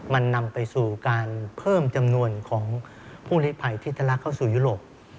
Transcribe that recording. มันนำไปสู่การเพิ่มจำนวนของผู้ลิภัยที่ทะลักเข้าสู่ยุโรป